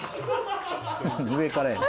上からやな。